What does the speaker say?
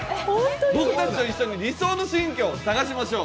僕たちと一緒に理想の新居を探しましょう。